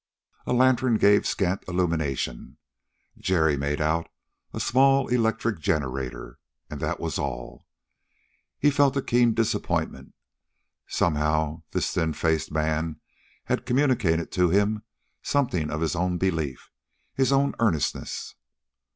A lantern gave scant illumination: Jerry made out a small electric generator, and that was all. He felt a keen disappointment. Somehow this thin faced man had communicated to him something of his own belief, his own earnestness.